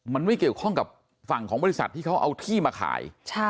มันไม่เกี่ยวข้องกับฝั่งของบริษัทที่เขาเอาที่มาขาย